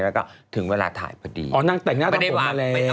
แล้วก็ถึงเวลาถ่ายพอดีอ๋อนางแต่งหน้าแต่งตัวมาแล้ว